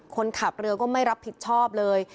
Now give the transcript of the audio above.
คนขับเรือก็ไม่รับผิดชอบเลย